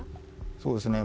そうですね